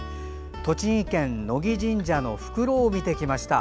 栃木県野木神社のフクロウを見てきました。